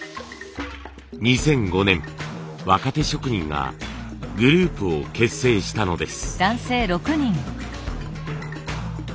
２００５年若手職人がグループを結成したのです。